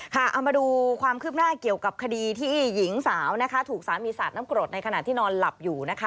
เอามาดูความคืบหน้าเกี่ยวกับคดีที่หญิงสาวนะคะถูกสามีสาดน้ำกรดในขณะที่นอนหลับอยู่นะคะ